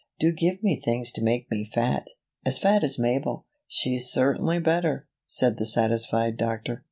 Do give me things to make me fat as fat as Mabel." "She's certainly better," said the satisfied doctor.